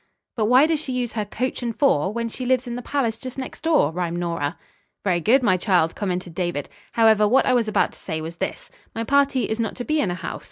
"But why does she use her 'coach and four,' When she lives in the palace just next door?" rhymed Nora. "Very good, my child," commented David. "However, what I was about to say was this: My party is not to be in a house.